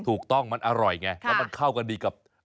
ถูกต้องมันอร่อยไงแล้วมันเข้ากันดีกับ